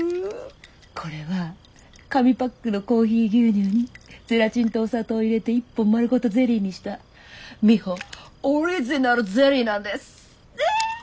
これは紙パックのコーヒー牛乳にゼラチンとお砂糖を入れて一本丸ごとゼリーにしたミホオリジナルゼリーなんです。